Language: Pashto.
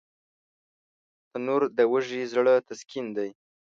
تنور د وږي زړه تسکین دی